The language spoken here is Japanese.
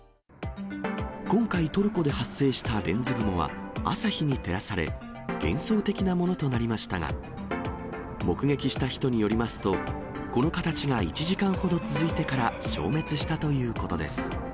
今回、トルコで発生したレンズ雲は朝日に照らされ、幻想的なものとなりましたが、目撃した人によりますと、この形が１時間ほど続いてから消滅したということです。